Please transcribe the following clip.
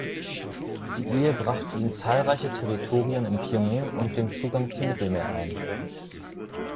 Die Ehe brachte ihm zahlreiche Territorien im Piemont und den Zugang zum Mittelmeer ein.